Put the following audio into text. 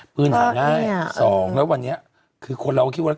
ปืนหาง่าย๒และวันนี้คือคนเราคิดว่า